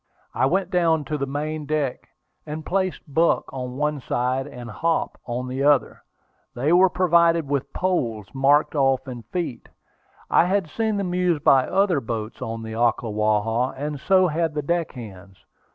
I went down to the main deck, and placed Buck on one side, and Hop on the other. They were provided with poles, marked off in feet. I had seen them used by other boats on the Ocklawaha, and so had the deck hands.